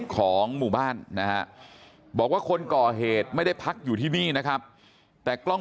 ของหมู่บ้านนะฮะบอกว่าคนก่อเหตุไม่ได้พักอยู่ที่นี่นะครับแต่กล้อง